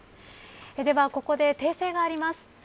ではここで、訂正があります。